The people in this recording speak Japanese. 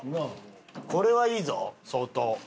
これはいいぞ相当。